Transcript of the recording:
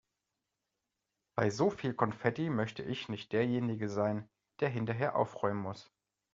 Bei so viel Konfetti möchte ich nicht derjenige sein, der hinterher aufräumen muss.